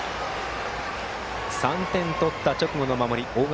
３点を取った直後の守りを大垣